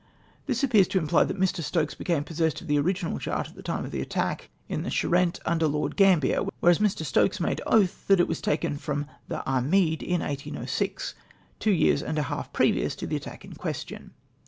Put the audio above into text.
This appears to imply tliat Mr. Stokes became possessed of the original chart at the time of the attack in the Charente under Lord Gambler, whereas Mr. Stokes made oath that it Avas taken from the Arrnide in 1806, two years and a half previous to the attack in question.